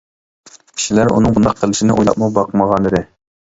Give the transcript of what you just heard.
كىشىلەر ئۇنىڭ بۇنداق قىلىشىنى ئويلاپمۇ باقمىغانىدى.